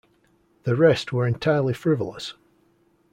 The rest were entirely frivolous.